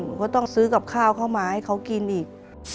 หนูก็ต้องซื้อกับข้าวเข้ามาให้เขากินอีก